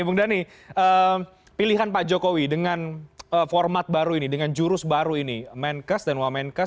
bung dhani pilihan pak jokowi dengan format baru ini dengan jurus baru ini menkes dan wamenkes